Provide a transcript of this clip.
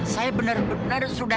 saya benar benar sudah